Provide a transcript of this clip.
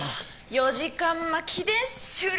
４時間巻きで終了